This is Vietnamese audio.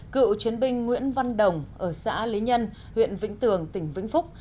cựu chiến binh nguyễn văn đồng ở xã lý nhân huyện vĩnh tường tỉnh vĩnh phúc